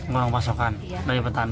kurang pasokan dari petani